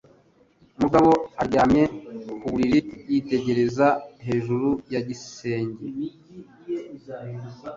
Mugabo aryamye ku buriri, yitegereza hejuru ya gisenge.